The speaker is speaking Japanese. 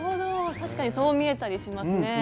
確かにそう見えたりしますね。